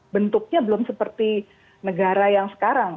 bentuknya belum seperti negara yang sekarang